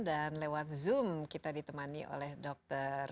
dan lewat zoom kita ditemani oleh dr mesteri